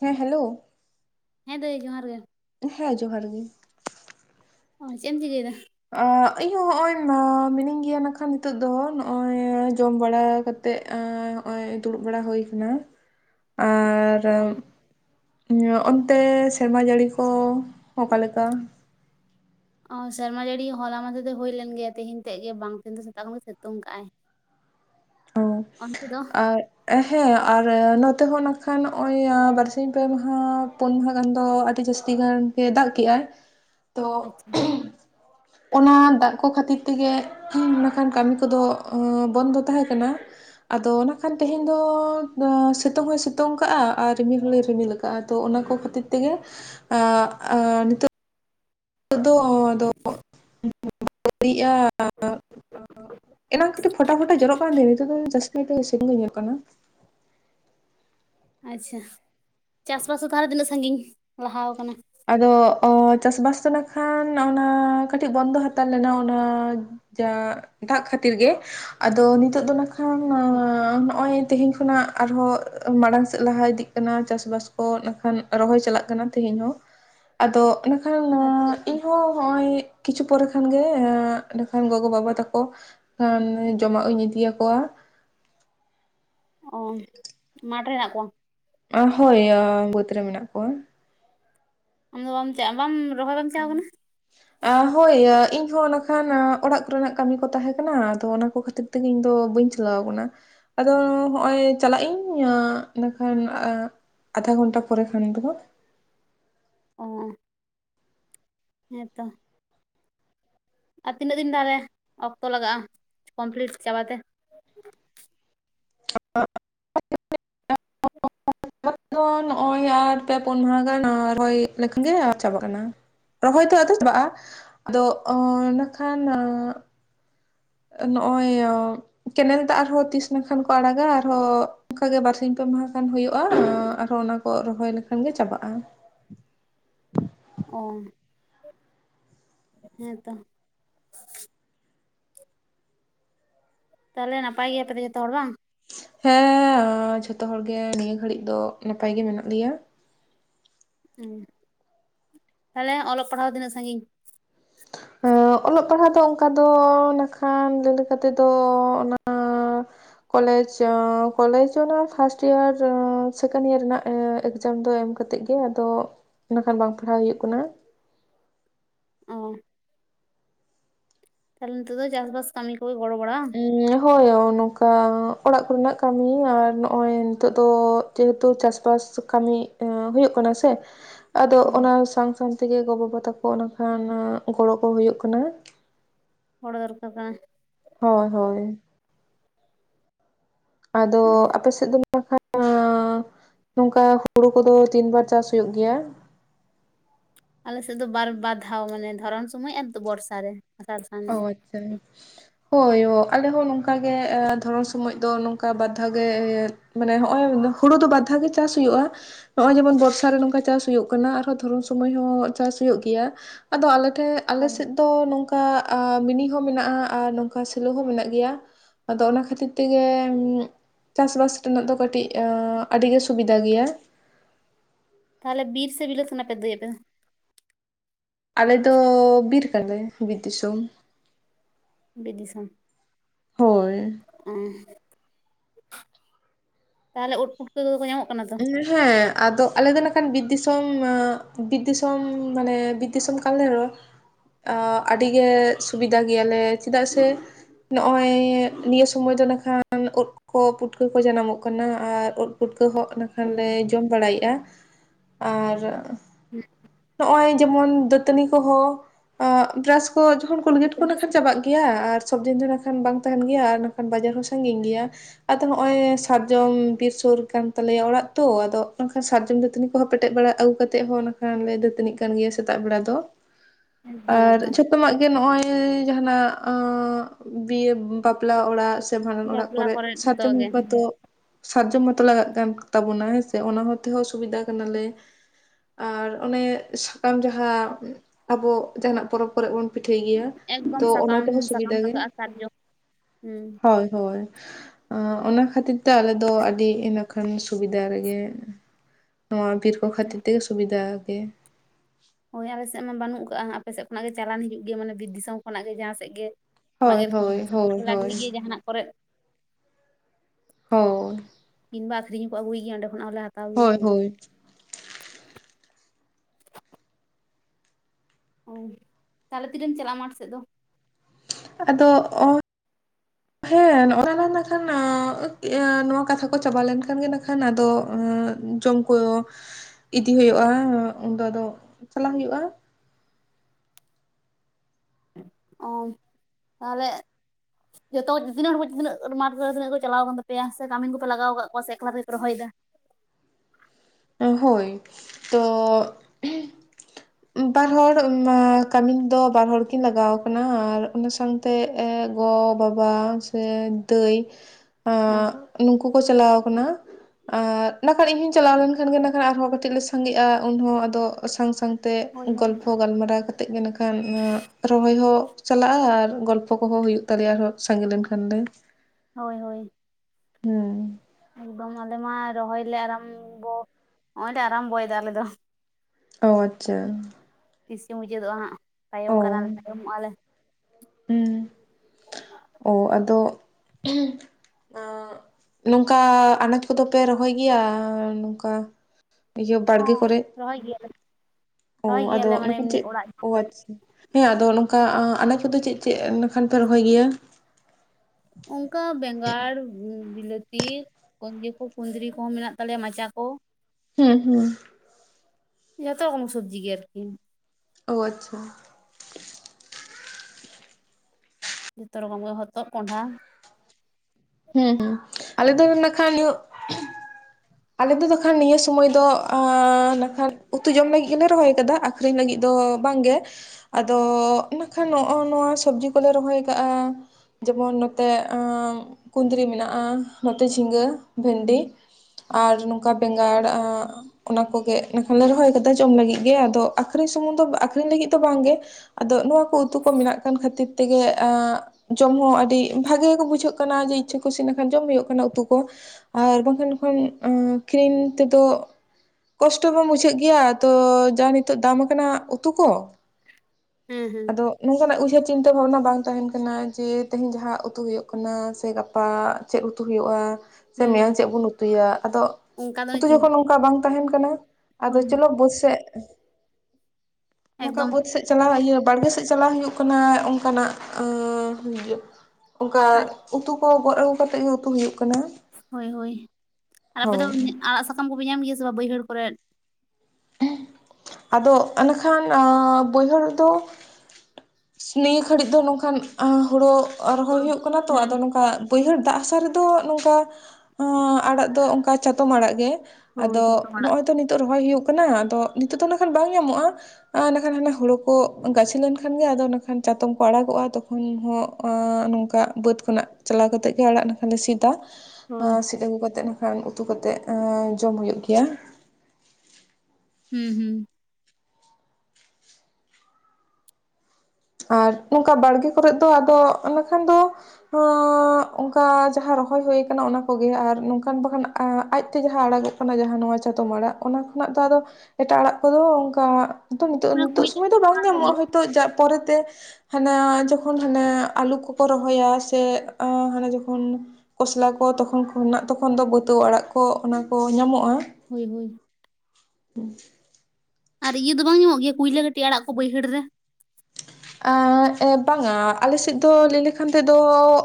ᱦᱮᱸ ᱦᱮᱞᱳ ᱦᱮᱸ ᱫᱟᱹᱭ ᱡᱚᱦᱟᱨ ᱜᱮ᱾ ᱦᱮᱸ ᱡᱚᱦᱟᱨ ᱜᱮ᱾ ᱚᱦ ᱪᱮᱫ ᱮᱢ ᱪᱤᱠᱟᱹᱭ ᱮᱫᱟ᱾ ᱟᱸ ᱤᱧ ᱦᱚᱸ ᱦᱚᱜᱼᱚᱭ ᱢᱤᱱᱟᱹᱧ ᱜᱮᱭᱟ ᱱᱟᱠᱷᱟᱱ ᱱᱤᱛᱚᱜ ᱫᱚ ᱱᱚᱜᱼᱚᱭ ᱡᱚᱢ ᱵᱟᱲᱟ ᱠᱟᱛᱮ [inaudible] ᱦᱚᱸᱜᱚᱭ ᱫᱩᱲᱩᱵ ᱵᱟᱲᱟ ᱦᱩᱭ ᱠᱟᱱᱟ᱾ [inaudible] ᱚᱱᱛᱮ ᱥᱮᱨᱢᱟ ᱡᱟᱹᱲᱤ ᱠᱚ ᱚᱠᱟ ᱞᱮᱠᱟ? ᱚ ᱥᱮᱨᱢᱟ ᱡᱟᱹᱲᱤ ᱦᱚᱞᱟ ᱢᱟᱫᱷᱮᱨ ᱫᱚ ᱦᱩᱭ ᱞᱮᱱ ᱜᱮᱭᱟ ᱛᱤᱦᱤᱧ ᱛᱮᱜ ᱜᱮ ᱵᱟᱝ, ᱛᱮᱦᱮᱧ ᱫᱚ ᱥᱮᱛᱟᱜ ᱠᱷᱚᱱ ᱜᱮ ᱥᱤᱛᱩᱝ ᱠᱟᱜᱼᱟᱭ᱾ ᱚᱱᱛᱮ ᱫᱚ ᱚ ᱟᱨ ᱦᱮᱸ ᱟᱨ ᱱᱚᱛᱮ ᱦᱚᱸ ᱱᱟᱠᱷᱟᱱ ᱱᱚᱜᱼᱚᱭ ᱵᱟᱨᱥᱤᱧ ᱯᱮ ᱢᱟᱦᱟ ᱯᱩᱱ ᱢᱟᱦᱟ ᱜᱟᱱ ᱫᱚ ᱟᱹᱰᱤ ᱡᱟᱹᱥᱛᱤ ᱜᱟᱱ ᱜᱮ ᱫᱟᱜ ᱠᱮᱜᱟᱭ᱾ ᱛᱚ ᱟᱪᱪᱷᱟ [inaudible] ᱚᱱᱟ ᱫᱟᱜ ᱠᱚ ᱠᱷᱟᱹᱛᱤᱨ ᱛᱮᱜᱮ ᱤᱱ ᱱᱟᱠᱷᱟᱱ ᱠᱟᱹᱢᱤ ᱠᱚᱫᱚ ᱵᱚᱱᱫᱚ ᱛᱟᱦᱮᱸ ᱠᱟᱱᱟ᱾ ᱟᱫᱚ ᱚᱱᱟ ᱠᱷᱟᱱ ᱛᱮᱦᱮᱧ ᱫᱚ ᱥᱤᱛᱩᱝ ᱦᱚᱭ ᱥᱤᱛᱩᱝ ᱠᱟᱜᱼᱟ ᱟᱨ ᱨᱤᱢᱤᱞ ᱦᱚᱭ ᱨᱤᱢᱤᱞ ᱠᱟᱜᱼᱟ᱾ ᱛᱚ ᱚᱱᱟ ᱠᱚ ᱠᱷᱟᱹᱛᱤᱨ ᱛᱮᱜᱮ [inaudible] ᱱᱤᱛᱚ ᱫᱚ ᱟᱫᱚ [inaudible] [inaudible] ᱮᱱᱟᱝ ᱠᱟᱹᱴᱤᱡ ᱯᱷᱚᱴᱟ ᱯᱷᱚᱴᱟ ᱡᱚᱨᱚᱜ ᱠᱟᱱ ᱛᱟᱦᱮᱱ ᱱᱤᱛᱚᱜ ᱫᱚ ᱡᱟᱥᱛᱤ [inaudible] ᱠᱟᱱᱟ᱾ ᱟᱪᱪᱷᱟ, ᱪᱟᱥᱵᱟᱥ ᱫᱚ ᱛᱟᱦᱚᱞᱮ ᱛᱤᱱᱟᱹᱜ ᱥᱟᱸᱝᱜᱤᱧ ᱞᱟᱦᱟᱣ ᱟᱠᱟᱱᱟ᱾ ᱟᱫᱚ ᱪᱟᱥᱵᱟᱥ ᱫᱚ ᱱᱟᱠᱷᱟᱱ ᱚᱱᱟ ᱠᱟᱹᱴᱤᱡ ᱵᱚᱱᱫᱚ ᱦᱟᱛᱟᱲ ᱞᱮᱱᱟ ᱚᱱᱟ ᱡᱟ ᱫᱟᱜ ᱠᱷᱟᱹᱛᱤᱨ ᱜᱮ ᱟᱫᱚ ᱱᱤᱛᱚᱜ ᱫᱚ ᱱᱟᱠᱷᱟᱱ ᱚ ᱱᱚᱜᱼᱚᱭ᱾ ᱛᱮᱦᱮᱧ ᱠᱷᱚᱱᱟᱜ ᱟᱨᱦᱚᱸ ᱢᱟᱲᱟᱝ ᱥᱮᱫ ᱞᱟᱦᱟ ᱤᱫᱤᱜ ᱠᱟᱱᱟ ᱪᱟᱥ ᱵᱟᱥ ᱠᱚ ᱱᱟᱠᱷᱟᱱ ᱨᱚᱦᱚᱭ ᱪᱟᱞᱟᱜ ᱠᱟᱱᱟ ᱛᱮᱦᱮᱧ ᱦᱚᱸ᱾ ᱟᱫᱚ ᱤᱱᱟᱠᱷᱟᱱ ᱛᱤᱱᱟᱹᱜ [inaudible] ᱤᱧᱦᱚ ᱦᱚᱜᱼᱚᱭ᱾ ᱠᱤᱪᱷᱩ ᱯᱚᱨᱮ ᱠᱷᱟᱱ ᱜᱮ ᱮᱸᱰᱮᱠᱷᱟᱱ ᱜᱚᱜᱚ ᱵᱟᱵᱟ ᱛᱟᱠᱚ ᱡᱚᱢᱟᱜ ᱤᱧ ᱤᱫᱤ ᱟᱠᱚᱣᱟ᱾ ᱚ ᱢᱟᱴᱷ ᱨᱮ ᱢᱮᱱᱟᱜ ᱠᱚᱣᱟ᱾ ᱦᱳᱭ ᱟᱸ ᱵᱟᱹᱫᱽ ᱨᱮ ᱢᱮᱱᱟᱜ ᱠᱚᱣᱟ᱾ ᱟᱢ ᱫᱚ ᱵᱟᱢ ᱪᱟᱜ-ᱟ, ᱵᱟᱢ ᱨᱚᱦᱚᱭ ᱵᱟᱢ ᱪᱟᱣ ᱠᱟᱱᱟ᱾ ᱟ ᱦᱳᱭ ᱤᱧ ᱦᱚᱸ ᱱᱟᱜ ᱠᱷᱟᱱ ᱚᱲᱟᱜ ᱠᱚ ᱨᱮᱱᱟᱜ ᱠᱟᱹᱢᱤ ᱠᱚ ᱛᱟᱦᱮᱸ ᱠᱟᱱᱟ ᱟᱫᱚ ᱚᱱᱟ ᱠᱚ ᱠᱷᱟᱹᱛᱤᱨ ᱤᱧ ᱫᱚ ᱵᱟᱹᱧ ᱪᱟᱞᱟᱣ ᱟᱠᱟᱱᱟ᱾ ᱟᱫᱚ ᱦᱚᱸᱜᱼᱚᱭ ᱪᱟᱞᱟᱜ ᱤᱧ ᱤᱱᱟᱹᱠᱷᱟᱱ ᱟᱨ ᱟᱫᱷᱟ ᱜᱷᱚᱱᱴᱟ ᱯᱚᱨᱮ ᱠᱷᱟᱱ ᱫᱚ ᱦᱟᱸᱜ᱾ ᱚ ᱦᱮᱸ ᱛᱚ ᱟᱨ ᱛᱤᱱᱟᱹᱜ ᱫᱤᱱ ᱛᱟᱦᱞᱮ ᱚᱠᱛᱚ ᱞᱟᱜᱟᱜᱼᱟ ᱠᱚᱢᱯᱞᱤᱴ ᱪᱟᱵᱟ ᱛᱮ [inaudible] ᱪᱟᱵᱟ ᱫᱚ ᱱᱚᱜᱼᱚᱭ ᱟᱨ ᱯᱮ ᱯᱩᱱ ᱢᱟᱦᱟ ᱜᱟᱱ ᱨᱚᱦᱚᱭ ᱞᱮᱠᱷᱟᱱ ᱜᱮ ᱟ ᱪᱟᱵᱟᱜ ᱠᱟᱱᱟ ᱨᱚᱦᱚᱭ ᱫᱚ ᱟᱫᱚ ᱪᱟᱵᱟᱜᱼᱟ ᱟᱫᱚ ᱱᱟ ᱠᱷᱟᱱ ᱱᱚᱜᱼᱚᱭ ᱠᱮᱱᱮᱞ ᱫᱟᱜ ᱟᱨ ᱦᱚᱸ ᱛᱤᱥ ᱱᱟᱜ ᱠᱷᱟᱱ ᱠᱚ ᱟᱲᱟᱜᱟ ᱟᱨ ᱦᱚᱸ ᱚᱝᱠᱟ ᱜᱮ ᱵᱟᱨᱥᱤᱧ ᱯᱮ ᱢᱟᱦᱟ ᱜᱟᱱ ᱦᱩᱭᱩᱜᱼᱟ ᱟᱨ ᱦᱚᱸ ᱚᱱᱟ ᱠᱚᱜ ᱨᱚᱦᱚᱭ ᱞᱮᱠᱷᱟᱱ ᱜᱮ ᱪᱟᱵᱟᱜᱼᱟ ᱚ ᱦᱮᱸ ᱛᱚ ᱛᱟᱦᱞᱮ ᱱᱟᱯᱟᱭ ᱜᱮᱭᱟ ᱯᱮ ᱛᱚ ᱡᱷᱚᱛᱚ ᱦᱚᱲ ᱵᱟᱝ ᱦᱮᱸ ᱮ ᱡᱷᱚᱛᱚ ᱦᱚᱲ ᱜᱮ ᱱᱤᱭᱟᱹ ᱜᱷᱟᱹᱲᱤᱡ ᱫᱚ ᱱᱟᱯᱟᱭ ᱜᱮ ᱢᱮᱱᱟᱜ ᱞᱮᱭᱟ ᱩᱸ ᱛᱟᱦᱞᱮ ᱚᱞᱚᱜ ᱯᱟᱲᱦᱟᱣ ᱛᱤᱱᱟᱹᱜ ᱥᱟᱺᱜᱤᱧ ᱚ ᱚᱞᱚᱜ ᱯᱟᱲᱦᱟ ᱫᱚ ᱚᱝᱠᱟ ᱫᱚ ᱱᱟᱜ ᱠᱷᱟᱱ ᱞᱟᱹᱭ ᱞᱮᱠᱟ ᱛᱮ ᱫᱚ ᱚᱱᱟ ᱠᱚᱞᱮᱡᱽ ᱠᱚᱞᱮᱡᱽ ᱚᱱᱟ ᱯᱷᱟᱥᱴ ᱤᱭᱟᱨ ᱥᱮᱠᱮᱱᱰ ᱤᱭᱟᱨ ᱨᱮᱱᱟᱜ ᱮ ᱡᱟᱢ ᱫᱚ ᱮᱢ ᱠᱟᱛᱮᱜ ᱜᱮ ᱟᱫᱚ ᱱᱟᱜᱠᱷᱟᱱ ᱵᱟᱝ ᱯᱟᱲᱦᱟᱣ ᱦᱩᱭᱩᱜ ᱠᱟᱱᱟ ᱚᱸ ᱛᱟᱦᱞᱮ ᱱᱤᱛᱚᱜ ᱫᱚ ᱪᱟᱥ ᱵᱟᱥ ᱠᱟᱹᱢᱤ ᱠᱚ ᱜᱮ ᱜᱚᱲᱚ ᱵᱟᱲᱟ ᱦᱳᱭ ᱱᱚᱝᱠᱟ ᱚᱲᱟᱜ ᱠᱚ ᱨᱮᱱᱟᱜ ᱠᱟᱹᱢᱤ ᱟᱨ ᱱᱚᱜᱼᱚᱭ ᱱᱤᱛᱚᱜ ᱫᱚ ᱡᱮᱦᱮᱛᱩ ᱪᱟᱥ ᱵᱟᱥ ᱠᱟᱹᱢᱤ ᱦᱩᱭᱩᱜ ᱠᱟᱱᱟ ᱥᱮ [inaudible] ᱟᱫᱚ ᱚᱱᱟ ᱥᱟᱝ ᱥᱟᱝ ᱛᱮ ᱜᱮ ᱜᱚ ᱵᱟᱵᱟ ᱛᱟᱠᱚ ᱱᱟᱜ ᱠᱷᱟᱱ ᱜᱚᱲᱚ ᱠᱚ ᱦᱩᱭᱩᱜ ᱠᱟᱱᱟ ᱦᱳᱲᱳ ᱨᱟᱠᱟᱵ ᱵᱟ ᱦᱚᱭ ᱦᱳᱭ ᱟᱫᱚ ᱦᱩᱸ ᱟᱯᱮ ᱥᱮᱫ ᱫᱚ [inaudible] ᱠᱷᱟᱱ ᱱᱚᱝᱠᱟ ᱦᱳᱲᱳ ᱠᱚ ᱫᱚ ᱛᱤᱱ ᱵᱟᱨ ᱪᱟᱥ ᱦᱩᱭᱩᱜ ᱜᱮᱭᱟ ᱟᱞᱮ ᱥᱮᱫ ᱫᱚ ᱵᱟᱨ ᱵᱟᱨ ᱫᱷᱟᱣ ᱢᱟᱱᱮ ᱫᱷᱚᱨᱚᱱ ᱥᱳᱢᱚᱭ ᱟᱨ ᱵᱚᱨᱥᱟ ᱨᱮ ᱟᱥᱟᱲ ᱥᱟᱱ ᱚ ᱟᱪᱪᱷᱟ ᱟᱨᱠᱤ᱾ ᱦᱳᱭ ᱳ ᱟᱞᱮ ᱦᱚᱸ ᱱᱚᱝᱠᱟ ᱜᱮ ᱫᱷᱚᱨᱚᱱ ᱥᱚᱢᱚᱭ ᱫᱚ ᱱᱚᱝᱠᱟ ᱵᱟᱨ ᱫᱷᱟᱣ ᱜᱮ ᱢᱟᱱᱮ ᱦᱚᱸᱜ-ᱚᱭ ᱦᱩᱲᱩ ᱫᱚ ᱵᱟᱨ ᱫᱷᱟ ᱜᱮ ᱪᱟᱥ ᱦᱩᱭᱩᱜᱼᱟ ᱦᱚᱸᱜᱼᱚᱭ ᱡᱮᱢᱚᱱ ᱵᱚᱨᱥᱟ ᱨᱮ ᱱᱚᱝᱠᱟ ᱪᱟᱥ ᱦᱩᱭᱩᱜ ᱠᱟᱱᱟ ᱟᱨ ᱦᱚᱸ ᱫᱷᱚᱨᱚᱱ ᱥᱚᱢᱚᱭ ᱦᱚᱸ ᱪᱟᱥ ᱦᱩᱭᱩᱜ ᱜᱮᱭᱟ ᱟᱫᱚ ᱟᱞᱮ ᱴᱷᱮ ᱚ ᱟᱞᱮ ᱥᱮᱫ ᱫᱚ ᱱᱚᱝᱠᱟ ᱟ ᱢᱤᱱᱤ ᱦᱚᱸ ᱢᱮᱱᱟᱜᱼᱟ ᱟᱨ ᱱᱚᱝᱠᱟ ᱥᱮᱞᱳ ᱦᱚᱸ ᱢᱮᱱᱟᱜ ᱜᱮᱭᱟ ᱟᱫᱚ ᱚᱱᱟ ᱠᱷᱟᱹᱛᱤᱨ ᱛᱮ ᱜᱮ ᱪᱟᱥ ᱵᱟᱥ ᱨᱮᱱᱟᱜ ᱫᱚ ᱠᱟᱹᱴᱤᱡ ᱟᱹᱰᱤ ᱜᱮ ᱥᱩᱵᱤᱫᱷᱟ ᱜᱮᱭᱟ ᱛᱟᱦᱞᱮ ᱵᱤᱨ ᱥᱮ ᱵᱤᱞᱟᱹᱛ ᱠᱟᱱᱟ ᱯᱮ ᱫᱟᱹᱭ ᱟᱯᱮ ᱟᱞᱮ ᱫᱚ ᱵᱤᱨ ᱠᱟᱱᱮ ᱵᱤᱨ ᱫᱤᱥᱚᱢ ᱵᱤᱨ ᱫᱤᱥᱚᱢ ᱦᱳᱭ ᱚᱸ ᱛᱟᱦᱞᱮ ᱩᱫ ᱯᱩᱴᱠᱟᱹ ᱫᱚ ᱠᱚ ᱧᱟᱢᱚᱜ ᱠᱟᱱᱟ ᱛᱚ ᱦᱮᱸ ᱟᱫᱚ ᱟᱞᱮ ᱫᱚ ᱱᱟᱜ ᱠᱟᱱ ᱵᱤᱨ ᱫᱤᱥᱚᱢ ᱵᱤᱨ ᱫᱤᱥᱚᱢ ᱢᱟᱱᱮ ᱫᱤᱥᱚᱢ ᱠᱟᱱ ᱨᱮᱦᱚᱸ ᱞᱮ ᱟ ᱟᱹᱰᱤ ᱜᱮ ᱥᱩᱵᱤᱫᱟ ᱜᱮᱭᱟ ᱞᱮ ᱪᱮᱫᱟᱜ ᱥᱮ ᱱᱚᱜᱼᱚᱭ ᱱᱤᱭᱟᱹ ᱥᱚᱢᱚᱭ ᱫᱚ ᱱᱟᱜ ᱠᱷᱟᱱ ᱳᱫ ᱯᱩᱴᱠᱟᱹ ᱠᱚ ᱡᱟᱱᱟᱢᱚᱜ ᱠᱟᱱᱟ ᱟᱨ ᱩᱫ ᱯᱩᱴᱠᱟᱹ ᱦᱚᱸ ᱾ ᱚᱱᱟ ᱠᱷᱟᱱᱞᱮ ᱡᱚᱢ ᱵᱟᱲᱟᱭᱮᱫᱼᱟ ᱟᱨ [unintelligible] ᱱᱚᱜᱚᱭ ᱡᱮᱢᱚᱱ ᱫᱟᱹᱛᱟᱹᱱᱤ ᱠᱚᱦᱚᱸ ᱵᱨᱟᱥ ᱠᱚ ᱡᱚᱠᱷᱚᱱ ᱠᱳᱞᱜᱮᱴ ᱠᱚ ᱞᱮᱠᱷᱟᱱ ᱪᱟᱵᱟᱜ ᱜᱮ ᱜᱮᱭᱟ ᱟᱨ ᱥᱚᱵ ᱫᱤᱱ ᱫᱚ ᱱᱟᱠᱷᱟᱱ ᱵᱟᱝ ᱛᱟᱦᱮᱱ ᱜᱮᱭᱟ ᱟᱨ ᱱᱟᱠᱷᱟᱱ ᱵᱟᱡᱟᱨ ᱦᱚᱸ ᱥᱟᱹᱜᱤᱧ ᱜᱮᱭᱟ ᱾ ᱟᱫᱚ ᱱᱚᱜ ᱚᱭ ᱥᱟᱨᱡᱚᱢ ᱵᱤᱨ ᱥᱩᱨ ᱠᱟᱱ ᱛᱟᱞᱮᱭᱟ ᱚᱲᱟᱜ ᱛᱚ ᱟᱫᱚ ᱮᱱᱠᱷᱟᱱ ᱥᱟᱨᱡᱚᱢ ᱫᱟᱹᱛᱟᱹᱱᱤ ᱠᱚᱦᱚ ᱯᱮᱴᱮᱡ ᱵᱟᱲᱟ ᱟᱹᱜᱩ ᱠᱟᱛᱮᱜ ᱦᱚᱸ ᱱᱟ ᱠᱷᱟᱱ ᱞᱮ ᱫᱟᱹᱛᱟᱹᱱᱤᱜ ᱠᱟᱱ ᱜᱮᱭᱟ ᱥᱮᱛᱟᱜ ᱵᱮᱲᱟ ᱫᱚ ᱮᱠᱫᱚᱢ ᱟᱨ ᱮᱠᱫᱚᱢ ᱡᱛᱚᱢᱟᱜ ᱜᱮ ᱱᱚᱜᱼᱚᱭ ᱡᱟᱦᱟᱱᱟᱜ ᱵᱤᱦᱟᱹ ᱵᱟᱯᱞᱟ ᱚᱲᱟᱜ ᱥᱮ ᱥᱮ ᱵᱷᱟᱸᱰᱟᱱ ᱚᱲᱟᱜ ᱵᱟᱯᱞᱟ ᱠᱚᱨᱮ ᱡᱷᱚᱛᱚ ᱥᱟᱨᱡᱚᱢ ᱜᱮ ᱢᱟᱛᱚ ᱥᱟᱨᱡᱚᱢ ᱢᱟᱛᱚ ᱞᱟᱜᱟᱜ ᱠᱟᱱ ᱛᱟᱵᱚᱱᱟ ᱦᱮᱸᱥᱮ ᱚᱱᱟ ᱦᱚ ᱛᱮᱦᱚᱸ ᱥᱩᱵᱤᱫᱷᱟ ᱠᱟᱱᱟᱞᱮ ᱾ ᱟᱨ ᱚᱱᱮ ᱥᱟᱠᱟᱢ ᱡᱟᱦᱟᱸ ᱟᱵᱚ ᱡᱟᱦᱟᱱᱟᱜ ᱯᱚᱨᱚᱵ ᱠᱚᱨᱮ ᱵᱚᱱ ᱯᱤᱴᱷᱟᱹᱭ ᱜᱮᱭᱟ ᱮᱠᱫᱚᱢ ᱛᱚ ᱚᱱᱟ ᱥᱟᱠᱟᱢ ᱛᱮᱦᱚᱸ ᱥᱟᱠᱟᱢ ᱥᱩᱵᱤᱫᱷᱟ ᱜᱮ ᱾ ᱞᱟᱜᱟᱜᱼᱟ ᱥᱟᱨᱡᱚᱢ ᱦᱩᱸ ᱦᱳᱭ ᱦᱳᱭ ᱾ ᱚᱱᱟ ᱠᱷᱟᱹᱛᱤᱨ ᱛᱮ ᱟᱞᱮ ᱫᱚ ᱟᱹᱰᱤ ᱤᱱᱟᱹ ᱠᱷᱟᱱ ᱥᱩᱵᱤᱫᱷᱟ ᱨᱮᱜᱮ ᱾ ᱱᱚᱣᱟ ᱵᱤᱨ ᱠᱚ ᱟᱪᱪᱷᱟ ᱠᱷᱟᱹᱛᱤᱨ ᱛᱮᱜᱮ ᱥᱩᱵᱤᱫᱷᱟ ᱜᱮ ᱾ ᱦᱳᱭ ᱟᱞᱮ ᱥᱮᱫ ᱢᱟ ᱵᱟᱹᱱᱩᱜ ᱠᱟᱜᱟ ᱟᱯᱮ ᱥᱮᱫ ᱠᱷᱚᱱᱟᱜ ᱜᱮ ᱪᱟᱞᱟᱱ ᱦᱤᱡᱩᱜ ᱜᱮᱭᱟ ᱢᱟᱱᱮ ᱵᱤᱨ ᱫᱤᱥᱚᱢ ᱠᱷᱚᱱᱟᱜ ᱜᱮ ᱡᱟᱦᱟᱸ ᱥᱮᱫ ᱜᱮ ᱦᱳᱭ ᱦᱳᱭ ᱦᱳᱭ [unintelligible] ᱦᱳᱭ ᱞᱟᱠᱛᱤᱜ ᱜᱮᱭᱟ ᱡᱟᱦᱟᱱᱟᱜ ᱠᱚᱨᱮ᱾ ᱦᱳᱭ ᱾ ᱠᱤᱱᱵᱟ ᱟᱠᱷᱨᱤᱧ ᱠᱚ ᱟᱹᱜᱩᱭᱟ ᱚᱸᱰᱮ ᱠᱦᱚᱱᱟᱜ ᱦᱚᱸᱞᱮ ᱦᱟᱛ ᱦᱳᱭ ᱦᱳᱭ᱾ ᱚᱻ ᱛᱟᱦᱚᱞᱮ ᱛᱤᱨᱮᱢ ᱪᱟᱞᱟᱜᱼᱟ ᱢᱟᱴᱷ ᱥᱮᱫ ᱫᱚ? ᱟᱫᱚ ᱦᱮᱸ ᱱᱚᱜᱼᱚᱭ ᱱᱟ ᱠᱷᱟᱱ ᱱᱚᱣᱟ ᱠᱟᱛᱷᱟ ᱠᱚ ᱪᱟᱵᱟ ᱞᱮᱱᱠᱷᱟᱱ ᱜᱮ ᱱᱟᱠᱷᱟᱱ ᱟᱫᱚ ᱡᱚᱢ ᱠᱚ ᱤᱫᱤ ᱦᱩᱭᱩᱜᱼᱟ ᱩᱱᱫᱚ ᱟᱫᱚ ᱪᱟᱞᱟᱜ ᱦᱩᱭᱩᱜᱼᱟ ᱾ ᱚᱻ ᱛᱟᱦᱚᱞᱮ ᱡᱚᱛᱚ ᱫᱤᱱᱟᱜ ᱦᱚᱲ ᱛᱤᱱᱟᱹᱜ ᱢᱟᱴᱷ ᱠᱚᱨᱮ [unintelligible] ᱠᱚ ᱪᱟᱞᱟᱣ ᱠᱟᱱ ᱛᱟᱯᱮᱭᱟ ᱥᱮ ᱠᱟᱢᱤᱱ ᱠᱚᱯᱮ ᱞᱟᱜᱟᱣ ᱟᱠᱟᱫ ᱠᱚᱣᱟ ᱥᱮ ᱮᱠᱞᱟ ᱛᱮᱯᱮ ᱨᱚᱦᱚᱭᱮᱫᱟ? ᱦᱳᱭ ᱛᱚ [unintelligible] ᱵᱟᱨ ᱦᱚᱲ ᱠᱟᱹᱢᱤᱱ ᱫᱚ ᱵᱟᱨ ᱦᱚᱲ ᱠᱤᱱ ᱞᱟᱜᱟᱣ ᱟᱠᱟᱱᱟ ᱟᱨ ᱚᱱᱟ ᱥᱟᱶᱛᱮ ᱜᱚ ᱵᱟᱵᱟ ᱥᱮ ᱫᱟᱹᱭ ᱦᱮᱸ᱾ ᱱᱩᱝᱠᱩ ᱠᱚ ᱪᱟᱞᱟᱣ ᱟᱠᱟᱱᱟ ᱟᱨ ᱱᱟᱠᱷᱟᱱ ᱤᱧᱦᱚᱧ ᱪᱟᱞᱟᱣ ᱞᱮᱱ ᱠᱷᱟᱱ ᱟᱨᱦᱚᱸ ᱠᱟᱹᱴᱤᱡ ᱞᱮ ᱥᱟᱸᱜᱮᱜᱼᱟ ᱩᱱᱦᱚᱸ ᱟᱫᱚ ᱥᱟᱝ ᱥᱟᱝᱛᱮ ᱦᱳᱭ ᱦᱳᱭ ᱜᱚᱞᱯᱚ ᱜᱟᱞᱢᱟᱨᱟᱣ ᱠᱟᱛᱮᱜ ᱜᱮ ᱱᱟᱠᱷᱟᱱ ᱨᱚᱦᱚᱭ ᱦᱚᱸ ᱪᱟᱞᱟᱜᱼᱟ ᱟᱨ ᱜᱚᱞᱯᱚ ᱠᱚᱦᱚᱸ ᱦᱩᱭᱩᱜ ᱛᱟᱞᱮᱭᱟ ᱟᱨᱦᱚᱸ ᱥᱟᱸᱜᱮ ᱞᱮᱱᱠᱷᱟᱱ ᱞᱮ ᱾ ᱦᱳᱭ ᱦᱳᱭ ᱮᱠᱫᱚᱢ ᱟᱞᱮ ᱢᱟ ᱨᱚᱦᱚᱭ ᱞᱮ ᱟᱨᱟᱢ ᱵᱚ ᱱᱚᱜᱚᱭ ᱞᱮ ᱟᱨᱟᱢᱵᱚᱭ ᱮᱫᱟ ᱟᱞᱮ ᱫᱚ ᱾ ᱚᱻ ᱟᱪᱷᱟ ᱾ ᱛᱤᱥᱪᱚ ᱢᱩᱪᱟᱹᱫᱚᱜᱼᱟ ᱦᱟᱸᱜ ᱛᱟᱭᱚᱢ ᱠᱟᱱᱟᱞᱮ ᱛᱟᱭᱚᱢᱚᱜ ᱟᱞᱮ ᱾ ᱦᱩᱸ ᱚᱻ ᱟᱫᱚ ᱱᱚᱝᱠᱟ ᱟᱱᱟᱡ ᱠᱚᱫᱚ ᱯᱮ ᱨᱚᱦᱚᱭ ᱜᱮᱭᱟ ᱱᱚᱝᱠᱟ ᱤᱭᱟᱹ ᱵᱟᱲᱜᱮ ᱦᱚᱸ ᱠᱚᱨᱮ ᱨᱚᱦᱚᱭ ᱜᱮᱭᱟᱞᱮ ᱚᱻ ᱨᱚᱦᱚᱭ ᱟᱫᱚ ᱜᱮᱭᱟᱞᱮ ᱢᱟᱱᱮ ᱱᱟᱠᱷᱟᱱ ᱮᱢᱱᱤ ᱪᱮᱫ ᱚᱲᱟᱜ ᱚᱻ ᱟᱪᱷᱟ ᱾ ᱦᱮᱸ ᱟᱫᱚ ᱱᱚᱝᱠᱟ ᱟᱱᱟᱡ ᱠᱚᱫᱚ ᱪᱮᱫ ᱪᱮᱫ ᱱᱟᱠᱷᱟᱱ ᱯᱮ ᱨᱚᱦᱚᱭ ᱜᱮᱭᱟ? ᱚᱱᱠᱟ ᱵᱮᱸᱜᱟᱲ ᱵᱤᱞᱟᱹᱛᱤ ᱠᱚᱧᱰᱤ ᱠᱚ ᱠᱩᱸᱫᱽᱨᱤ ᱠᱚᱦᱚᱸ ᱢᱮᱱᱟᱜ ᱛᱟᱞᱮᱭᱟ ᱢᱟᱪᱟ ᱠᱚ᱾ ᱦᱮᱸ ᱦᱮᱸ ᱾ ᱡᱚᱛᱚ ᱨᱚᱠᱚᱢ ᱥᱚᱵᱽᱡᱤ ᱜᱮ ᱟᱨᱠᱤ ᱾ ᱚ ᱟᱪᱷᱟ ᱾ ᱡᱚᱛᱚ ᱨᱚᱠᱚᱢ ᱜᱮ ᱦᱚᱛᱚᱫ ᱠᱚᱸᱰᱷᱟ ᱾ ᱦᱩᱸ ᱦᱩᱸ ᱟᱞᱮ ᱫᱚ ᱱᱟᱠᱷᱟᱱ ᱫᱚ ᱟᱞᱮ ᱫᱚ ᱱᱟᱜᱠᱷᱟᱱ ᱱᱤᱭᱟᱹ ᱥᱩᱢᱚᱭ ᱫᱚ, ᱱᱟᱠᱷᱟᱱ ᱩᱛᱩ ᱡᱚᱢ ᱞᱟᱹᱜᱤᱫ ᱜᱮᱞᱮ ᱨᱚᱦᱚᱭ ᱠᱟᱫᱟ᱾ ᱟᱹᱠᱷᱨᱤᱧ ᱞᱟᱹᱜᱤᱫ ᱫᱚ ᱵᱟᱝ ᱜᱮ᱾ ᱟᱫᱚ ᱱᱟᱠᱷᱟᱱ ᱱᱚᱜᱚ ᱱᱚᱣᱟ ᱥᱚᱵᱽᱡᱤ ᱠᱚᱞᱮ ᱨᱚᱦᱚᱭ ᱠᱟᱜᱼᱟ᱾ ᱡᱮᱢᱚᱱ ᱱᱚᱛᱮ ᱠᱩᱫᱽᱨᱤ ᱢᱮᱱᱟᱜ-ᱟ, ᱱᱚᱛᱮ ᱡᱷᱤᱸᱜᱟᱹ, ᱵᱷᱮᱱᱰᱤ᱾ ᱟᱨ ᱱᱚᱝᱠᱟ ᱵᱮᱸᱜᱟᱲ᱾ ᱚᱱᱟ ᱠᱚᱜᱮ ᱱᱟᱜ ᱠᱷᱟᱱ ᱞᱮ ᱨᱚᱦᱚᱭ ᱠᱟᱫᱟ᱾ ᱡᱚᱢ ᱞᱟᱹᱜᱤᱜ ᱜᱮ, ᱟᱫᱚ ᱟᱹᱠᱷᱨᱤᱧ ᱥᱩᱢᱩᱝ ᱫᱚ ᱟᱹᱠᱷᱨᱤᱧ ᱞᱟᱹᱜᱤᱫ ᱫᱚ ᱵᱟᱝ ᱜᱮ᱾ ᱟᱫᱚ ᱱᱚᱣᱟ ᱠᱚ ᱩᱛᱩ ᱠᱚ ᱢᱮᱱᱟᱜ ᱠᱟᱱ ᱠᱷᱟᱹᱛᱤᱨ ᱛᱮᱜᱮ ᱡᱚᱢ ᱦᱚᱸ ᱟᱹᱰᱤ ᱵᱷᱟᱜᱮ ᱜᱮ ᱠᱚ ᱵᱩᱡᱷᱟᱹᱜ ᱠᱟᱱᱟ᱾ᱡᱮ ᱤᱪᱷᱟᱹ ᱠᱩᱥᱤ ᱱᱟᱠᱷᱟᱱ ᱡᱚᱢ ᱦᱳᱭᱳᱜ ᱠᱟᱱᱟ ᱩᱛᱩ ᱠᱚ᱾ ᱟᱨ ᱵᱟᱝ ᱠᱷᱟᱱ ᱦᱟᱸᱜ ᱠᱷᱟᱱ ᱟᱹᱠᱷᱨᱤᱧ ᱛᱮᱫᱚ ᱠᱚᱥᱴᱚ ᱦᱚᱸ ᱵᱩᱡᱷᱟᱹᱜ ᱜᱮᱭᱟ, ᱛᱚ ᱡᱟ ᱱᱤᱛᱳᱜ ᱫᱟᱢ ᱟᱠᱟᱱᱟ ᱩᱛᱩ ᱠᱚ᱾ ᱦᱮᱸ ᱦᱮᱸ᱾ ᱟᱫᱚ ᱱᱚᱝᱠᱟ ᱱᱟᱜ ᱩᱭᱦᱟᱹᱨ ᱪᱤᱱᱛᱟᱹ ᱵᱷᱟᱵᱱᱟ ᱵᱟᱝ ᱛᱟᱦᱮᱱ ᱠᱟᱱᱟ᱾ ᱡᱮ ᱛᱮᱦᱮᱧ ᱡᱟᱦᱟ ᱩᱛᱩ ᱦᱳᱭᱳᱜ ᱠᱟᱱᱟ ᱥᱮ ᱜᱟᱯᱟ ᱪᱮᱫ ᱩᱛᱩ ᱦᱳᱭᱳᱜ-ᱟ᱾ ᱥᱮ ᱢᱮᱭᱟᱝ ᱦᱩᱸ ᱪᱮᱫ ᱵᱚᱱ ᱩᱛᱩᱭᱟ, ᱟᱫᱚ ᱚᱱᱠᱟ ᱫᱚ ᱩᱛᱩ ᱡᱚᱠᱷᱚᱱ ᱚᱱᱠᱟ ᱵᱟᱝ ᱛᱟᱦᱮᱱ ᱠᱟᱱᱟ ᱟᱫᱚ ᱦᱳᱭ ᱦᱳᱭ ᱪᱚᱞᱚ ᱵᱟᱹᱫᱽ ᱥᱮᱫ ᱱᱚᱝᱠᱟ ᱮᱠᱫᱚᱢ ᱵᱟᱹᱫᱽ ᱥᱮᱫ ᱪᱟᱞᱟᱣ ᱤᱭᱟᱹ ᱵᱟᱲᱜᱮ ᱥᱮᱫ ᱪᱟᱞᱟᱣ ᱦᱩᱭᱩᱜ ᱠᱟᱱᱟ᱾ ᱚᱱᱠᱟᱱᱟᱜ ᱚᱝᱠᱟ ᱩᱛᱩ ᱠᱚ ᱜᱚᱫ ᱟᱹᱜᱩ ᱠᱟᱛᱮᱫ ᱜᱮ ᱩᱛᱩ ᱦᱩᱭᱩᱜ ᱠᱟᱱᱟ᱾ ᱦᱳᱭ, ᱦᱳᱭ ᱟᱨ ᱟᱯᱮ ᱫᱚ ᱦᱳᱭ ᱟᱲᱟᱜ ᱥᱟᱠᱟᱢ ᱠᱚᱯᱮ ᱧᱟᱢ ᱜᱮᱭᱟ ᱥᱮ ᱵᱟᱝ ᱵᱟᱹᱭᱦᱟᱹᱲ ᱠᱚᱨᱮᱫ? ᱟᱫᱚ ᱱᱟᱜ ᱠᱷᱟᱱ ᱵᱟᱹᱭᱦᱟᱹᱲ ᱨᱮᱫᱚ ᱱᱤᱭᱟᱹ ᱜᱷᱟᱹᱲᱤᱡ ᱫᱚ ᱱᱚᱝᱠᱟᱱ ᱦᱳᱲᱳ ᱨᱚᱦᱚᱭ ᱦᱳᱭᱳᱜ ᱠᱟᱱᱟ ᱛᱚ᱾ ᱦᱮᱸ ᱟᱫᱚ ᱱᱚᱝᱠᱟ ᱵᱟᱹᱭᱦᱟᱹᱲ ᱫᱟᱜ ᱦᱟᱥᱟ ᱨᱮ ᱫᱚ ᱱᱚᱝᱠᱟ ᱟᱲᱟᱜ ᱫᱚ ᱚᱝᱠᱟ ᱪᱟᱛᱚᱢ ᱟᱲᱟᱜ ᱜᱮ᱾ ᱦᱳᱭ ᱟᱫᱚ ᱡᱚᱛᱚ ᱦᱚᱲᱟᱜ ᱱᱚᱸᱜ-ᱚᱭ ᱛᱚ ᱱᱤᱛ ᱱᱤᱛᱳᱜ ᱨᱚᱦᱚᱭ ᱦᱩᱭᱩᱜ ᱠᱟᱱᱟ ᱟᱫᱚ ᱱᱤᱛᱳᱜ ᱫᱚ ᱱᱟᱜ ᱠᱷᱟᱱ ᱵᱟᱝ ᱧᱟᱢᱚᱜᱼᱟ᱾ ᱟᱸᱻ ᱱᱟᱜ ᱠᱷᱟᱱ ᱦᱟᱱᱮ ᱦᱳᱲᱳ ᱠᱚ ᱜᱟᱹᱪᱷᱤ ᱞᱮᱱᱠᱷᱟᱱ ᱜᱮ ᱟᱫᱚ ᱮᱱᱮ ᱠᱷᱟᱱ ᱪᱟᱛᱚᱢ ᱠᱚ ᱟᱲᱟᱜᱚᱜ-ᱟ᱾ ᱛᱚᱠᱷᱚᱱ ᱦᱚᱸ ᱱᱚᱝᱠᱟ ᱵᱟᱹᱫᱽ ᱠᱷᱚᱱᱟᱜ ᱪᱟᱞᱟᱣ ᱠᱟᱛᱮᱜ ᱜᱮ ᱟᱲᱟᱜ ᱞᱮ ᱥᱤᱫᱟ, ᱦᱳᱭ ᱥᱤᱫ ᱟᱹᱜᱩ ᱠᱟᱛᱮᱜ ᱱᱟᱠᱷᱟᱱ ᱩᱛᱩ ᱠᱟᱛᱮᱜ ᱡᱚᱢ ᱦᱩᱭᱩᱜ ᱜᱮᱭᱟ᱾ ᱦᱩᱸ, ᱦᱩᱸ᱾ ᱟᱨ ᱱᱚᱝᱠᱟ ᱵᱟᱲᱜᱮ ᱠᱚᱨᱮ ᱫᱚ, ᱟᱫᱚ ᱱᱟᱜ ᱠᱷᱟᱱ ᱫᱚ ᱦᱚᱸ ᱚᱝᱠᱟ ᱡᱟᱦᱟ ᱨᱚᱦᱚᱭ ᱦᱳᱭ ᱠᱟᱱᱟ ᱚᱱᱟ ᱠᱚᱜᱮ᱾ ᱟᱨ ᱱᱚᱝᱠᱟᱱ ᱵᱟᱝ ᱠᱷᱟᱱᱟᱜ ᱟᱡᱛᱮ ᱡᱟᱦᱟ ᱟᱲᱟᱜᱚᱜ ᱠᱟᱱᱟ ᱡᱟᱦᱟ ᱱᱚᱣᱟ ᱪᱟᱛᱚᱢ ᱟᱲᱟᱜ᱾ᱚᱱᱟ ᱠᱷᱚᱱᱟᱜ ᱫᱚ ᱟᱫᱚ ᱮᱴᱟᱜ ᱟᱲᱟᱜ ᱠᱚᱫᱚ ᱚᱝᱠᱟ ᱛᱚ ᱱᱤᱛᱳᱜ, ᱚᱱᱟ ᱱᱤᱛᱳᱜ ᱠᱩᱭᱞᱟᱹ ᱥᱚᱢᱚᱭ ᱫᱚ ᱵᱟᱝ ᱧᱟᱢᱚᱜᱼᱟ᱾ ᱦᱚᱭ ᱛᱚ ᱡᱟ ᱯᱚᱨᱮ ᱛᱮ ᱦᱟᱱᱟ ᱡᱚᱠᱷᱚᱱ, ᱦᱟᱱᱮ ᱟᱹᱞᱩ ᱠᱚᱠᱚ ᱨᱚᱦᱚᱭ-ᱟ ᱥᱮ ᱦᱟᱱᱟ ᱡᱚᱠᱷᱚᱱ ᱠᱚᱥᱞᱟ ᱠᱚ ᱛᱚᱠᱷᱚᱱ ᱠᱷᱚᱱᱟᱜ ᱛᱚᱠᱷᱚᱱ ᱫᱚ ᱵᱟᱹᱛᱩᱣᱟ ᱟᱲᱟᱜ ᱠᱚ ᱚᱱᱟ ᱠᱚ ᱧᱟᱢᱚᱜ-ᱟ᱾ ᱦᱳᱭ, ᱦᱳᱭ᱾ ᱦᱩᱸ᱾ ᱟᱨ ᱤᱭᱟᱹ ᱫᱚ ᱵᱟᱝ ᱧᱚᱜ ᱜᱮᱭᱟ ᱠᱩᱭᱞᱟᱹ ᱠᱟᱹᱴᱤ ᱟᱲᱟᱜ ᱠᱚ ᱵᱟᱹᱭᱦᱟᱹᱲ ᱨᱮ? ᱵᱟᱝ-ᱟ ᱟᱞᱮ ᱥᱮᱫ ᱫᱚ ᱞᱟᱹᱭ ᱞᱮᱠᱷᱟᱱ ᱛᱮᱫᱚ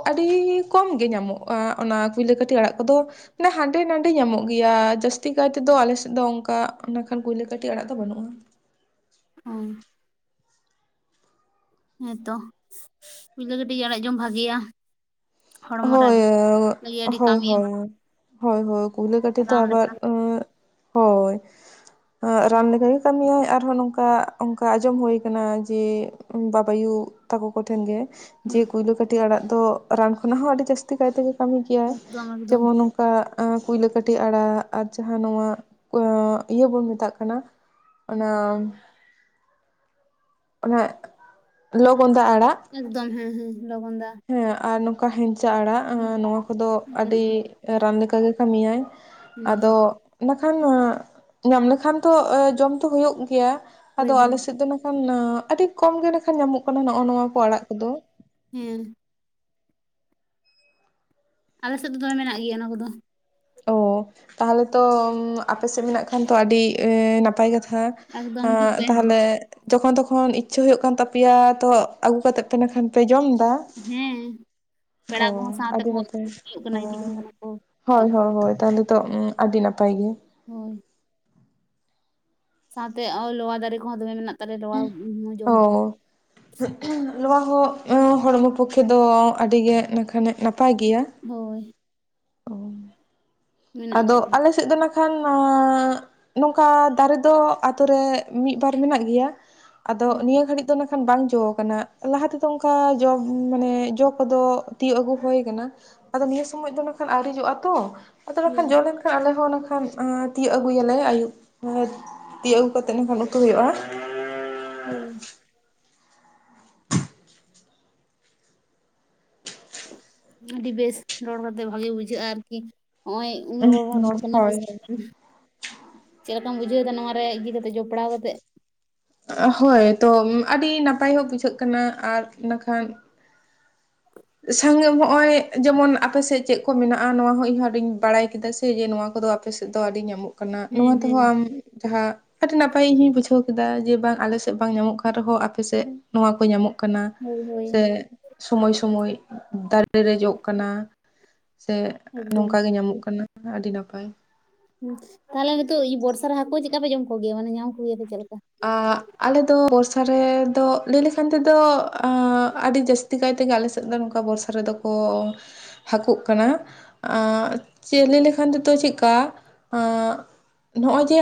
ᱟᱹᱰᱤ ᱠᱚᱢ ᱜᱮ ᱧᱟᱢᱚᱜ ᱟᱸᱻ ᱚᱱᱟ ᱠᱩᱭᱞᱟᱹ ᱠᱟᱹᱴᱤ ᱟᱲᱟᱜ ᱠᱚᱫᱚ᱾ ᱢᱟᱱᱮ ᱦᱟᱸᱰᱮ ᱱᱟᱰᱮ ᱧᱟᱢᱚᱜ ᱜᱮᱭᱟ᱾ᱡᱟᱹᱥᱛᱤ ᱠᱟᱭ ᱛᱮᱫᱚ ᱟᱞᱮ ᱥᱮᱫ ᱫᱚ ᱚᱝᱠᱟ ᱱᱟᱜ ᱠᱷᱟᱱ ᱠᱩᱭᱞᱟᱹ ᱠᱟᱹᱴᱤ ᱟᱲᱟᱜ ᱫᱚ ᱵᱟᱹᱱᱩᱜ-ᱟ᱾ ᱚ᱾ ᱦᱮᱸᱛᱚ ᱠᱩᱭᱞᱟᱹ ᱠᱟᱹᱴᱤ ᱟᱲᱟᱜ ᱡᱚᱢ ᱵᱷᱟᱜᱮᱭᱟ᱾ ᱦᱚᱲᱢᱚ ᱨᱮ ᱦᱳᱭ, ᱟᱹᱰᱤ ᱞᱟᱹᱜᱤᱫ ᱟᱹᱰᱤ ᱦᱳᱭ, ᱠᱟᱹᱢᱤ ᱮᱢᱟ ᱦᱳᱭ᱾ ᱦᱚᱭ ᱦᱚᱭ ᱠᱩᱭᱞᱟᱹ ᱠᱟᱹᱴᱤ ᱛᱚ ᱨᱟᱱ ᱟᱵᱟᱨ ᱞᱮᱠᱟ ᱮᱸ ᱦᱚᱭ, ᱨᱟᱱ ᱞᱮᱠᱟᱜᱮ ᱠᱟᱹᱢᱤᱭᱟᱭ᱾ ᱟᱨᱦᱚᱸ ᱱᱚᱝᱠᱟ ᱚᱝᱠᱟ ᱟᱸᱡᱚᱢ ᱦᱳᱭ ᱠᱟᱱᱟ ᱡᱮ, ᱵᱟᱵᱟᱭᱩ ᱛᱟᱠᱚ ᱠᱚᱴᱷᱮᱱ ᱜᱮ, ᱡᱮ ᱦᱮᱸ ᱠᱩᱭᱞᱟᱹ ᱠᱟᱹᱴᱤ ᱟᱲᱟᱜ ᱫᱚ ᱨᱟᱱ ᱠᱷᱚᱱᱟᱜ ᱦᱚᱸ ᱟᱹᱰᱤ ᱡᱟᱹᱥᱛᱤ ᱠᱟᱭ ᱛᱮᱜᱮ ᱠᱟᱹᱢᱤ ᱜᱮᱭᱟᱭ᱾ ᱮᱠᱫᱚᱢ ᱮᱠᱫᱚᱢ ᱡᱮᱢᱚᱱ ᱚᱱᱠᱟ ᱟᱸ ᱠᱩᱭᱞᱟᱹ ᱠᱟᱹᱴᱤ ᱟᱲᱟᱜ ᱟᱨ ᱡᱟᱦᱟᱸ ᱱᱚᱣᱟ ᱚᱸ ᱤᱭᱟᱹ ᱵᱚᱱ ᱢᱮᱛᱟᱜ ᱠᱟᱱᱟ ᱚᱱᱟᱢ ᱚᱱᱟ ᱞᱚᱜᱚᱸᱫᱟ ᱟᱲᱟᱜ, ᱮᱠᱫᱚᱢ ᱦᱮᱸ ᱦᱮᱸ ᱞᱚᱜᱚᱸᱫᱟ᱾ ᱦᱮᱸ ᱟᱨ ᱱᱚᱝᱠᱟ ᱦᱮᱱᱪᱟ ᱟᱲᱟᱜ ᱦᱟᱸ ᱱᱚᱣᱟ ᱠᱚᱫᱚ ᱦᱩᱸ ᱟᱹᱰᱤ ᱨᱟᱱ ᱞᱮᱠᱟᱜᱮ ᱠᱟᱹᱢᱤᱭᱟᱭ᱾ ᱟᱫᱚ ᱚᱱᱟᱠᱷᱟᱱ ᱧᱟᱢ ᱞᱮᱠᱷᱟᱱ ᱛᱚ ᱡᱚᱢ ᱛᱚ ᱦᱩᱭᱩᱜ ᱜᱮᱭᱟ ᱦᱳᱭ ᱟᱫᱚ ᱦᱳᱭ ᱟᱞᱮᱥᱮᱜ ᱫᱚ ᱠᱷᱟᱱ ᱟᱹᱰᱤ ᱠᱚᱢ ᱜᱮ ᱱᱮᱠᱷᱟᱱ ᱧᱟᱢᱚᱜ ᱠᱟᱱᱟ ᱱᱚᱜᱼᱚ ᱱᱚᱣᱟ ᱠᱚ ᱟᱲᱟᱜ ᱠᱚᱫᱚ᱾ ᱦᱮᱸ ᱟᱞᱮ ᱥᱮᱜ ᱫᱚ ᱫᱚᱢᱮ ᱢᱮᱱᱟᱜ ᱜᱮᱭᱟ ᱚᱱᱟ ᱠᱚᱫᱚ᱾ ᱚ ᱛᱟᱦᱚᱞᱮ ᱛᱚ ᱟᱯᱮ ᱥᱮᱜ ᱢᱮᱱᱟᱜ ᱠᱷᱟᱱ ᱛᱚ ᱟᱹᱰᱤ ᱮᱸ ᱱᱟᱯᱟᱭ ᱠᱟᱛᱷᱟ᱾ ᱮᱠᱫᱚᱢ ᱦᱤᱡᱩᱜ ᱦᱟᱸ ᱯᱮ ᱛᱟᱦᱚᱞᱮ ᱡᱚᱠᱷᱚᱱ ᱛᱚᱠᱷᱚᱱ ᱤᱪᱪᱷᱟᱹ ᱦᱩᱭᱩᱜ ᱠᱟᱱ ᱛᱟᱯᱮᱭᱟ ᱛᱚ ᱟᱹᱜᱩ ᱠᱟᱛᱮᱜ ᱯᱮ ᱤᱱᱟᱠᱷᱟᱱ ᱯᱮ ᱡᱚᱢ ᱫᱟ ᱦᱮᱸ ᱚ ᱯᱮᱲᱟ ᱠᱚᱦᱚᱸ ᱥᱟᱶᱛᱮ ᱟᱹᱰᱤ ᱠᱚ ᱱᱟᱯᱟᱭ ᱦᱩᱭᱩᱜ ᱠᱟᱱᱟ ᱚ ᱤᱫᱤ ᱡᱚᱝ ᱠᱟᱱᱟ ᱠᱚ ᱦᱚᱭ ᱦᱚᱭ᱾ ᱦᱳᱭ ᱛᱟᱦᱚᱞᱮ ᱛᱚ ᱩᱸ ᱟᱹᱰᱤ ᱱᱟᱯᱟᱭ ᱜᱮ᱾ ᱦᱳᱭ, ᱥᱟᱶᱛᱮ ᱚ ᱞᱚᱣᱟ ᱫᱟᱨᱮ ᱠᱚᱦᱚᱸ ᱫᱚᱢᱮ ᱢᱮᱱᱟᱜ ᱛᱟᱞᱮᱭᱟ ᱞᱚᱣᱟ ᱩᱸ ᱡᱚᱢ ᱞᱚᱣᱟ ᱦᱚᱸ ᱦᱚᱲᱢᱚ ᱯᱚᱠᱠᱷᱮ ᱫᱚ ᱟᱹᱰᱤ ᱜᱮ ᱤᱱᱟᱠᱷᱟᱱᱮᱜ ᱱᱟᱯᱟᱭ ᱜᱮᱭᱟ᱾ ᱦᱳᱭ, ᱚᱭ ᱢᱮᱱᱟᱜ ᱟᱫᱚ ᱟᱠᱟᱫ ᱟᱞᱮ ᱥᱮᱜ ᱫᱚ ᱱᱟᱠᱷᱟᱱ ᱟᱸ ᱱᱚᱝᱠᱟ ᱫᱟᱨᱮ ᱫᱚ ᱟᱛᱳ ᱨᱮ ᱢᱤᱜ ᱵᱟᱨ ᱢᱮᱱᱟᱜ ᱜᱮᱭᱟ᱾ ᱟᱫᱚ ᱱᱤᱭᱟᱹ ᱜᱷᱟᱹᱲᱤᱜ ᱫᱚ ᱱᱟᱜᱠᱷᱟᱱ ᱵᱟᱝ ᱡᱚ ᱠᱟᱱᱟ ᱞᱟᱦᱟ ᱛᱮᱫᱚ ᱚᱝᱠᱟ ᱡᱚ ᱢᱟᱱᱮ ᱡᱚ ᱠᱚᱫᱚ ᱛᱤᱭᱳᱜ ᱟᱹᱜᱩ ᱦᱩᱭ ᱠᱟᱱᱟ᱾ ᱟᱫᱚ ᱱᱤᱭᱟᱹ ᱥᱚᱢᱚᱭ ᱫᱚ ᱱᱟᱠᱷᱟᱱ ᱟᱣᱨᱤ ᱡᱚᱜᱼᱟ ᱛᱚ ᱟᱫᱚ ᱦᱳᱭ ᱱᱟᱠᱷᱟᱱ ᱡᱚ ᱞᱮᱱ ᱠᱷᱟᱭ ᱟᱞᱮ ᱦᱚᱸ ᱱᱚᱝᱠᱷᱟᱱ ᱛᱤᱭᱟᱹᱜ ᱟᱹᱜᱩᱭᱟᱞᱮ ᱟᱹᱭᱩᱵ ᱛᱤᱭᱩᱜ ᱟᱹᱜᱩ ᱠᱟᱛᱮᱜ ᱮᱱᱠᱷᱟᱱ ᱩᱛᱩᱭ ᱦᱩᱭᱩᱜᱼᱟ᱾ ᱦᱳᱭ, ᱟᱹᱰᱤ ᱵᱮᱥ ᱨᱚᱲ ᱠᱟᱛᱮᱜ ᱵᱷᱟᱜᱮ ᱵᱩᱡᱷᱟᱹᱜᱼᱟ ᱟᱨᱠᱤ ᱦᱸᱚᱜᱼᱚᱭ ᱩᱱᱟᱹᱜ ᱦᱚᱲ ᱦᱚᱸ ᱨᱚᱲ ᱦᱳᱭ ᱠᱟᱱᱟ ᱦᱳᱭ [unintelligible] ᱪᱮᱜ ᱞᱮᱠᱟᱢ ᱵᱩᱡᱷᱟᱹᱣ ᱫᱟ ᱱᱚᱣᱟ ᱨᱮ ᱤᱭᱟᱹ ᱠᱟᱛᱮᱜ ᱡᱚᱯᱲᱟᱣ ᱠᱟᱛᱮᱜ? ᱦᱳᱭ ᱛᱚ ᱟᱹᱰᱤ ᱱᱟᱯᱟᱭ ᱦᱚᱸ ᱵᱩᱡᱷᱟᱹᱜ ᱠᱟᱱᱟ ᱟᱨ ᱮᱱᱟᱠᱷᱟᱱ [unintelligible] ᱦᱸᱚᱜᱼᱚᱭ ᱡᱮᱢᱚᱱ ᱟᱯᱮ ᱥᱮᱜ ᱪᱮᱫ ᱠᱚ ᱢᱮᱱᱟᱜᱼᱟ ᱱᱚᱣᱟ ᱦᱚᱸ ᱤᱧᱦᱚᱸ ᱟᱹᱰᱤᱧ ᱵᱟᱲᱟᱭ ᱠᱮᱫᱟ ᱥᱮ ᱱᱚᱣᱟ ᱠᱚᱫᱚ, ᱟᱯᱮ ᱥᱮᱜ ᱫᱚ ᱟᱹᱰᱤ ᱧᱟᱢᱚᱜ ᱠᱟᱱᱟ᱾ ᱦᱮᱸ ᱱᱚᱣᱟ ᱦᱮᱸ ᱛᱮᱦᱚᱸ ᱟᱢ ᱡᱟᱦᱟᱸ ᱟᱹᱰᱤ ᱱᱟᱯᱟᱭ ᱤᱧ ᱵᱩᱡᱷᱟᱹᱣ ᱠᱮᱫᱟ ᱡᱮ ᱵᱟᱝ ᱟᱞᱮᱥᱮᱜ ᱵᱟᱝ ᱧᱟᱢᱚᱜ ᱠᱟᱱ ᱨᱮᱦᱚᱸ ᱟᱯᱮᱥᱮᱜ ᱱᱚᱣᱟ ᱠᱚ ᱧᱟᱢᱚᱜ ᱠᱟᱱᱟ ᱦᱳᱭ ᱦᱳᱭ ᱥᱮ ᱥᱳᱢᱳᱭ ᱥᱳᱢᱳᱭ, ᱫᱟᱨᱮ ᱨᱮ ᱡᱚᱜ ᱠᱟᱱᱟ ᱥᱮ ᱮᱠᱫᱚᱢ ᱱᱚᱝᱠᱟ ᱜᱮ ᱧᱟᱢᱚᱜ ᱠᱟᱱᱟ ᱟᱹᱰᱤ ᱱᱟᱯᱟᱭ᱾ ᱛᱟᱦᱚᱞᱮ ᱱᱤᱛᱚᱜ [unintelligible] ᱵᱚᱨᱥᱟ ᱨᱮ ᱦᱟ. ᱠᱩ ᱪᱮᱜᱠᱟ ᱯᱮ ᱡᱚᱢ ᱠᱚᱜᱮᱭᱟ ᱢᱟᱱᱮ ᱧᱟᱢ ᱠᱚᱜᱮᱭᱟᱯᱮ ᱪᱮᱜ ᱞᱮᱠᱟ? ᱟᱸ ᱟᱞᱮ ᱫᱚ ᱵᱚᱨᱥᱟ ᱨᱮᱫᱚ ᱞᱟᱹᱭ ᱞᱮᱠᱷᱟᱱ ᱛᱮᱫᱚ ᱟᱹᱰᱤ ᱡᱟᱹᱥ ᱛᱤ ᱠᱟᱭᱛᱮᱜᱮ ᱟᱞᱮᱥᱮᱜ ᱫᱚ ᱱᱚᱝᱠᱟ ᱵᱚᱨᱥᱟ ᱨᱮᱫᱚ ᱠᱚ ᱦᱟᱹᱠᱩᱜ ᱠᱟᱱᱟ ᱟᱸ ᱪᱮᱫᱹᱜ ᱞᱟ. ᱭ ᱞᱮᱠᱷᱟᱱ ᱫᱚᱛᱚ ᱪᱮᱜᱠᱟ ᱟᱸ ᱱᱚᱜᱼᱚᱭ ᱡᱮ